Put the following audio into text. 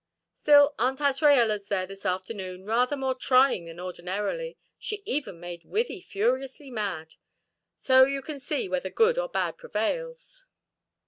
Still, Aunt Azraella's there this afternoon, rather more trying than ordinarily she even made Wythie furiously mad. So you can see whether good or bad prevails."